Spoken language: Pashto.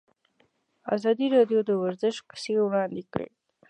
ازادي راډیو د ورزش کیسې وړاندې کړي.